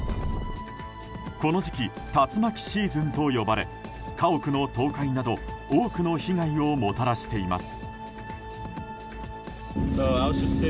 この時期竜巻シーズンと呼ばれ家屋の倒壊など多くの被害をもたらしています。